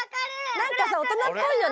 なんかさおとなっぽいよね